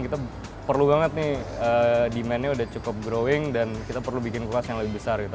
kita perlu banget nih demandnya udah cukup growing dan kita perlu bikin kuas yang lebih besar gitu